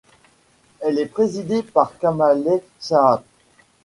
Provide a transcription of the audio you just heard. Elle est présidée par Kamalain Shaath.